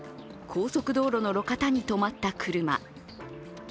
高速道路の路肩に止まった車。